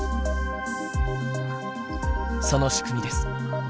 その仕組みです。